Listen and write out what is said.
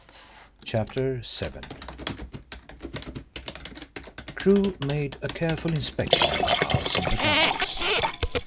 CHAPTER VII Crewe made a careful inspection of the house and the grounds.